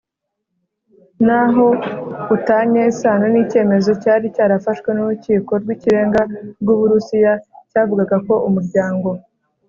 naho u tanye isano n icyemezo cyari cyarafashwe n Urukiko rw Ikirenga rw u Burusiya cyavugaga ko umuryango